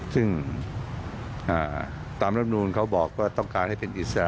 ซึ่งตามรับนูลเขาบอกว่าต้องการให้เป็นอิสระ